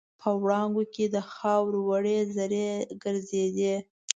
په وړانګو کې د خاوور وړې زرې ګرځېدې.